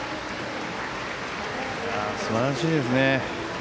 すばらしいですね。